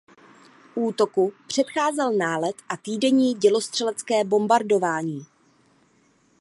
Útoku předcházel nálet a týdenní dělostřelecké bombardování.